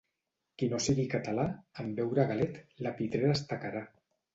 Qui no sigui català, en veure a galet, la pitrera es tacarà.